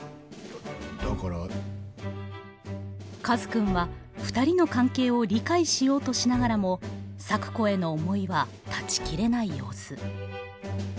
カズくんはふたりの関係を理解しようとしながらも咲子への思いは断ち切れない様子。